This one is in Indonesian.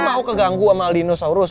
lu mau keganggu sama aldinosaurus